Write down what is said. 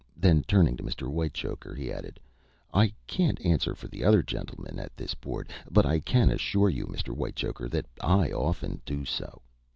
Then turning to Mr. Whitechoker, he added: "I can't answer for the other gentlemen at this board, but I can assure you, Mr. Whitechoker, that I often do so.